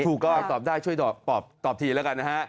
ถูกก็ตอบได้ช่วยตอบทีแล้วกันนะฮะ